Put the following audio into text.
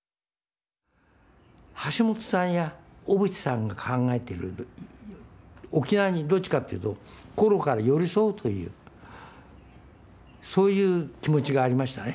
橋本さんや小渕さんが考えている沖縄にどっちかっていうと心から寄り添うというそういう気持ちがありましたね。